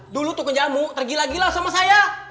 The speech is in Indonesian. dulu tukang jamu tergila gila sama saya